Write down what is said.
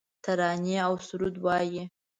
ترانې اوسرود وایې